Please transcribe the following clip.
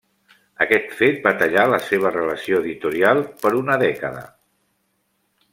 Aquest fet va tallar la seva relació l'editorial per una dècada.